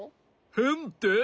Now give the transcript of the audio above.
へんって？